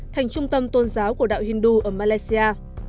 thành trung tâm tôn giáo của đạo hindu ở malaysia